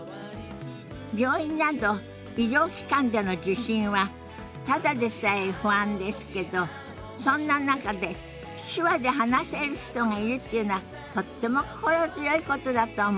病院など医療機関での受診はただでさえ不安ですけどそんな中で手話で話せる人がいるっていうのはとっても心強いことだと思います。